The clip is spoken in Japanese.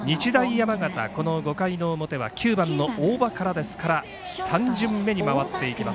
山形、この５回の表は９番の大場からですから３巡目に回っていきます